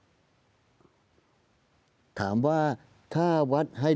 ลุงเอี่ยมอยากให้อธิบดีช่วยอะไรไหม